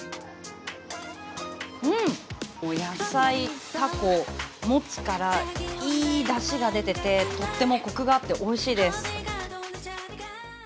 うん、野菜、タコ、もつからいいだしが出てて、とってもコクがあっておいしいです。